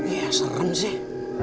iya serem sih